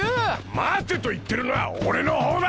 待てと言ってるのは俺のほうだ！